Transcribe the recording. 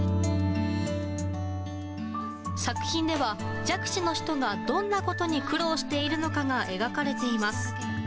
作品では弱視の人がどんなことに苦労しているのかが描かれています。